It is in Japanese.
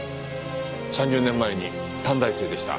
３０年前に短大生でした。